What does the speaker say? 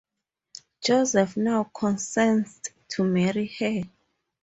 Joseph now consents to marry her.